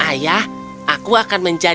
ayah aku akan menjaga